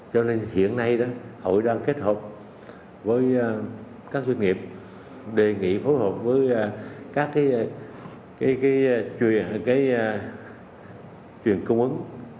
cho nên hiện nay đó hội đang kết hợp với các doanh nghiệp đề nghị phối hợp với các truyền cung ứng